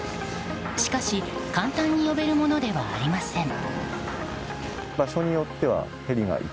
しかし簡単に呼べるものではありません。